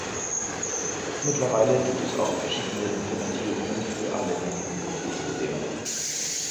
Mittlerweile gibt es auch verschiedene Implementierungen für alle gängigen Betriebssysteme.